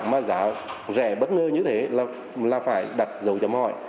mà giá rẻ bất ngờ như thế là phải đặt dấu chấm hỏi